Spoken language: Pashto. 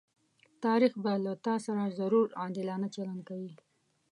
تاريخ به له تاسره ضرور عادلانه چلند کوي.